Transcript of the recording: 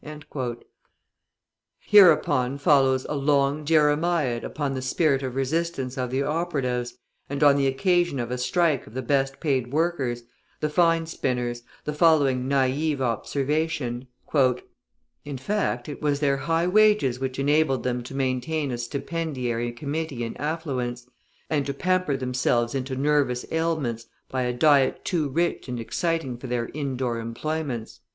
{168a} Hereupon follows a long Jeremiad upon the spirit of resistance of the operatives, and on the occasion of a strike of the best paid workers, the fine spinners, the following naive observation: {168b} "In fact, it was their high wages which enabled them to maintain a stipendiary committee in affluence, and to pamper themselves into nervous ailments, by a diet too rich and exciting for their indoor employments."